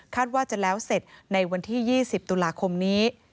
ว่าจะแล้วเสร็จในวันที่๒๐ตุลาคมนี้